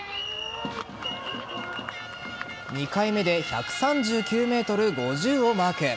２回目で１３９ｍ５０をマーク。